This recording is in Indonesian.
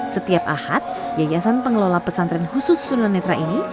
setiap ahad yayasan pengelola pesantren khusus tunanetra ini